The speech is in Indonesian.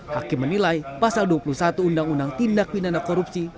hakim menilai pasal dua puluh satu undang undang tindak pindahna korupsi